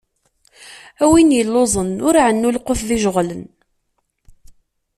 A win illuẓen, ur ɛennu lqut d-ijeɣlen!